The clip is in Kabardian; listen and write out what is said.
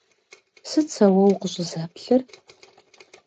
Sıt se vue vukhış'ızemıplhır?